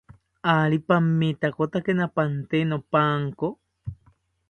¿Ari pamitakotakina pante nopanko?